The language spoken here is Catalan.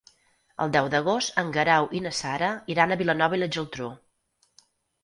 El deu d'agost en Guerau i na Sara iran a Vilanova i la Geltrú.